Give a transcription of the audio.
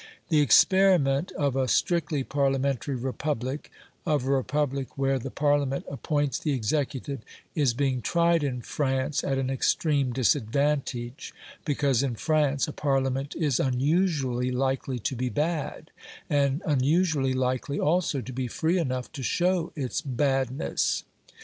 The experiment of a strictly Parliamentary Republic of a Republic where the Parliament appoints the executive is being tried in France at an extreme disadvantage, because in France a Parliament is unusually likely to be bad, and unusually likely also to be free enough to show its badness.